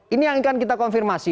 ini yang akan kita konfirmasi